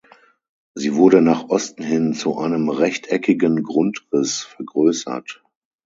Sie wurde nach Osten hin zu einem rechteckigen Grundriss vergrößert.